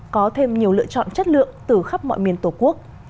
có thêm nhiều lựa chọn chất lượng từ khắp mọi miền tổ quốc